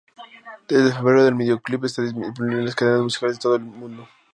Desde febrero el videoclip está disponible en las cadenas musicales de todo el mundo.